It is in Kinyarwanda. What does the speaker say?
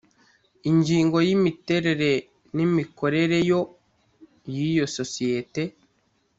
Ingingo y’Imiterere n’imikorereyo yiyo sosiyeti.